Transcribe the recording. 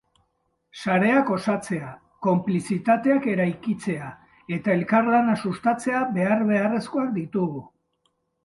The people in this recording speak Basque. Sareak osatzea, konplizitateak eraikitzea eta elkarlana sustatzea behar-beharrezkoak ditugu.